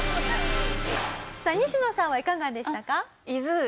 さあ西野さんはいかがでしたか？